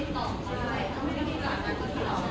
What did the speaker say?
ไปถูกก่อน